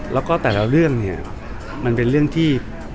แล้วก็แต่ละเรื่องเนี่ยมันเป็นเรื่องที่